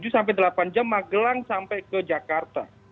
tujuh sampai delapan jam magelang sampai ke jakarta